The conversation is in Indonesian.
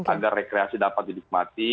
agar rekreasi dapat didikmati